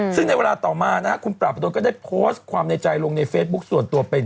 ซึ่งในเวลาต่อมานะฮะคุณปราบประดนก็ได้โพสต์ความในใจลงในเฟซบุ๊คส่วนตัวเป็น